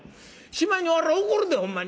しまいに俺は怒るでほんまに！」。